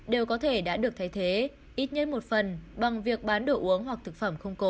đều có thể đã được thay thế ít nhất một phần bằng việc bán đồ uống hoặc thực phẩm không có